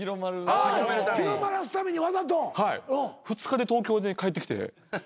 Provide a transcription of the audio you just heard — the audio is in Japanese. ２日で東京に帰ってきて。